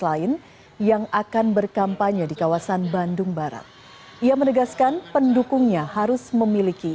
lain yang akan berkampanye di kawasan bandung barat ia menegaskan pendukungnya harus memiliki